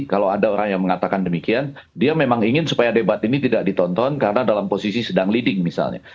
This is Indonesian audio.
kalau ada orang yang mengatakan demikian dia memang ingin supaya debat ini tidak ditonton karena dalam posisi sedang leading misalnya